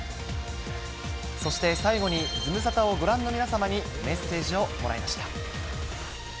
そして最後に、ズムサタをご覧の皆様にメッセージをもらいました。